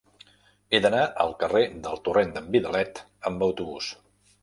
He d'anar al carrer del Torrent d'en Vidalet amb autobús.